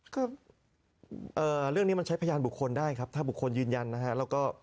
ก็เรื่องนี้มันใช้พยานบุคคลได้ครับถ้าบุคคลยืนยันนะฮะแล้วก็